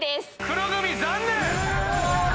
黒組残念！